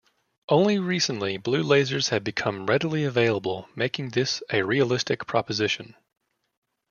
Only recently blue lasers have become readily available making this a realistic proposition.